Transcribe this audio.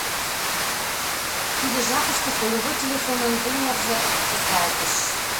Тиде жапыште полевой телефонын зуммерже ызгалтыш.